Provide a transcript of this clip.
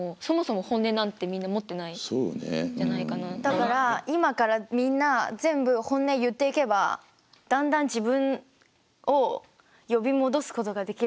だから今からみんな全部本音言っていけばだんだん自分を呼び戻すことができると思う。